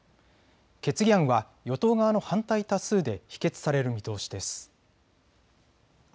決議案は与党側の反対多数で否決される見通しです。